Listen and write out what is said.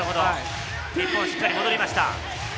日本しっかり戻りました。